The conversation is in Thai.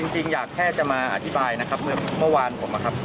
จริงอยากแค่จะมาอธิบายนะครับเมื่อวานผมอะครับ